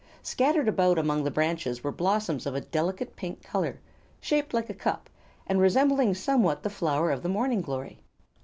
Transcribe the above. Scattered about among the branches were blossoms of a delicate pink color, shaped like a cup and resembling somewhat the flower of the morning glory.